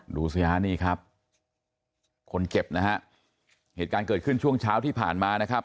ดูสิฮะนี่ครับคนเจ็บนะฮะเหตุการณ์เกิดขึ้นช่วงเช้าที่ผ่านมานะครับ